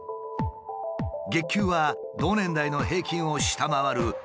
月給は同年代の平均を下回る